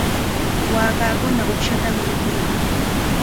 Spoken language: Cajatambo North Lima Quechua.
Waakakuna uqshatami mikuyan.